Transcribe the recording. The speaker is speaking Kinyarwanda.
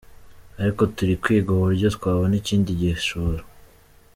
Ariko turikwiga uburyo twabona ikindi gishoro.